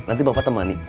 nanti bapak temani